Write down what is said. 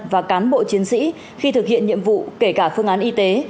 và cán bộ chiến sĩ khi thực hiện nhiệm vụ kể cả phương án y tế